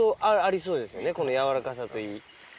この軟らかさといい。